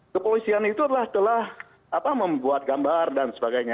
kepolisian itu adalah telah membuat gambar dan sebagainya